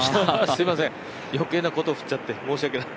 すいません、余計なことを振っちゃって申し訳ない。